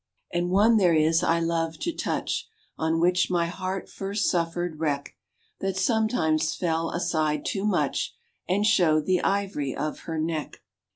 And one there is I loved to touch, On which my heart first suffered wreck, That sometimes fell aside too much And showed the ivory of her neck.